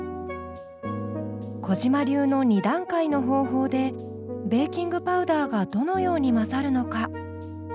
小嶋流の２段階の方法でベーキングパウダーがどのように混ざるのか。